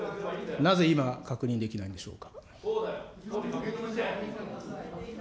なぜ今、確認できないんでしょうか。